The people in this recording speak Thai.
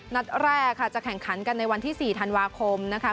นัดแรกค่ะจะแข่งขันกันในวันที่๔ธันวาคมนะคะ